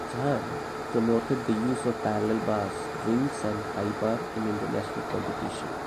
Jahn promoted the use of parallel bars, rings and high bar in international competition.